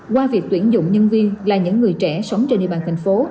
qua việc tuyển dụng nhân viên là những người trẻ sống trên địa bàn thành phố